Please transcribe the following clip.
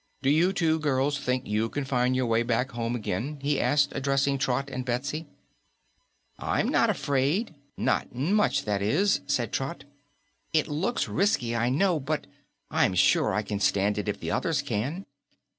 Do you two girls think you can find your way back home again?" he asked, addressing Trot and Betsy. "I'm not afraid. Not much, that is," said Trot. "It looks risky, I know, but I'm sure I can stand it if the others can."